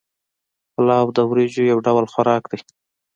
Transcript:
پلاو د وریجو یو ډول خوراک دی